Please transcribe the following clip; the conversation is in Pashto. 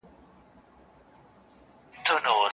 انسان د یو ټولنیز موجود په توګه ژوند کوي.